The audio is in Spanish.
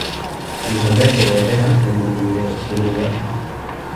Luis Alberto de Herrera en Montevideo, Uruguay.